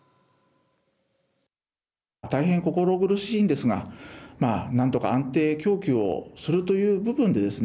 大変心苦しいんですがまあ何とか安定供給をするという部分でですね